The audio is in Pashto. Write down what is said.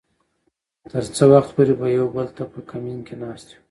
تر څه وخته پورې به يو بل ته په کمين کې ناست وو .